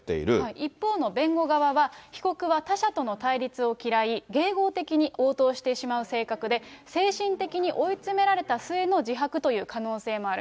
一方の、弁護側は被告は他者との対立を嫌い、迎合的に応答してしまう性格で、精神的に追い詰められた末の自白という可能性もある。